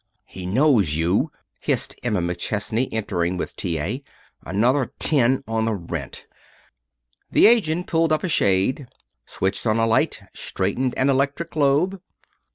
"He knows you!" hissed Emma McChesney, entering with T. A. "Another ten on the rent." The agent pulled up a shade, switched on a light, straightened an electric globe.